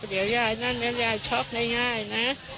เดียวไยนั่นแล้วไยช๊อกได้ง่ายนะ